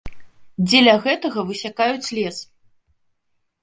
Дзеля гэтага высякаюць лес.